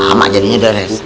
lama jadinya udah res